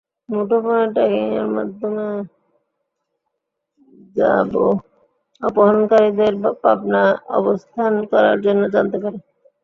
মুঠোফোন ট্র্যাকিংয়ের মাধ্যমে র্যাব অপহরণকারীদের পাবনা অবস্থান করার কথা জানতে পারে।